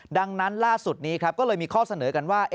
ดังนั้นล่าสุดนี้ครับก็เลยมีข้อเสนอกันว่า